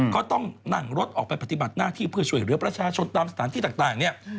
ก็ต้องนั่งรถออกไปปฏิบัติหน้าที่เพื่อช่วยเหลือประชาชนตามสถานที่ต่างเนี่ย